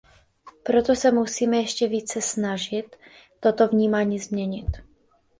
Proto se musíme ještě více snažit toto vnímání změnit.